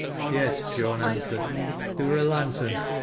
" Yes," Joan answered, " theer wur a lantern.